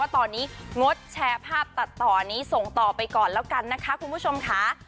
ตอนนี้งดแชร์ภาพตัดต่อนี้ส่งต่อไปก่อนแล้วกันนะคะคุณผู้ชมค่ะ